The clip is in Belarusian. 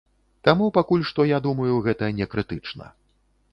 Таму пакуль што, я думаю, гэта не крытычна.